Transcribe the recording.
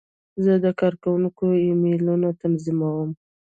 زه د کارکوونکو ایمیلونه تنظیموم.